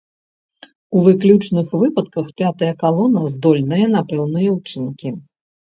У выключных выпадках пятая калона здольная на пэўныя ўчынкі.